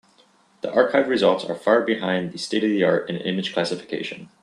The achieved results are far behind the state-of-the-art in image classification.